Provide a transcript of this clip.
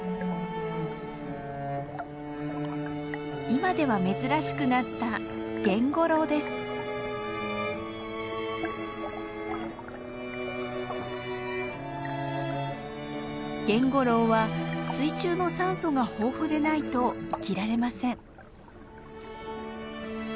今では珍しくなったゲンゴロウは水中の酸素が豊富でないと生きられません。